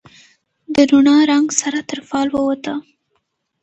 د رڼا، رنګ سره تر فال ووته